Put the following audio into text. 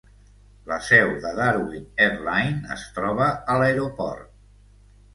La seu de Darwin Airline es troba a l'aeroport.